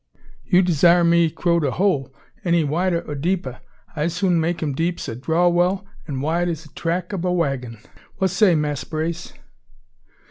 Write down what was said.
You d'sire me `crow' de hole any wida or deepa, I soon make 'im deep's a draw well an' wide as de track ob a waggon. Wha' say, Mass' Brace?"